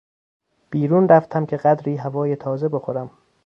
بیرون رفتم که قدری هوای تازه بخورم.